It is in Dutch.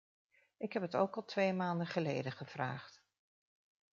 Ik heb het ook al twee maanden geleden gevraagd.